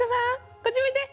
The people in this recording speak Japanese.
こっち向いて！